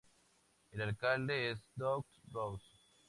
El alcalde es Doug Ross.